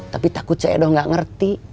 tapi takut cedok enggak yg ngerti